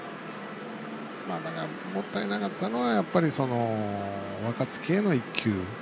もったいなかったのは若月への１球。